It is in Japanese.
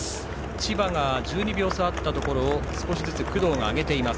千葉が１２秒差あったところを少しずつ工藤が上げています。